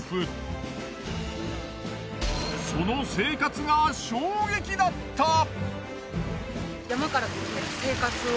その生活が衝撃だった！